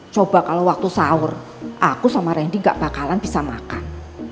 coba kalau waktu sahur aku sama randy gak bakalan bisa makan